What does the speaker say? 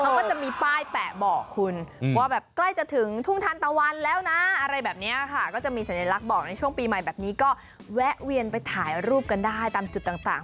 เขาก็จะมีป้ายแปะบอกคุณว่าแบบใกล้จะถึงทุ่งทันตะวันแล้วนะอะไรแบบนี้ค่ะก็จะมีสัญลักษณ์บอกในช่วงปีใหม่แบบนี้ก็แวะเวียนไปถ่ายรูปกันได้ตามจุดต่าง